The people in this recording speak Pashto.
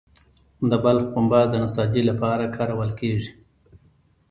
د بلخ پنبه د نساجي لپاره کارول کیږي